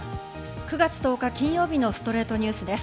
９月１０日、金曜日の『ストレイトニュース』です。